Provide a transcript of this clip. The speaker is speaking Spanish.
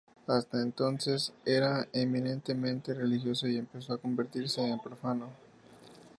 Hasta entonces era eminentemente religioso y empezó a convertirse en profano.